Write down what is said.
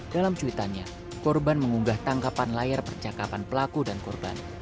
dalam cuitannya korban mengunggah tangkapan layar percakapan pelaku dan korban